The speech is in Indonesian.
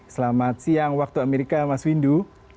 selamat siang waktu amerika mas windu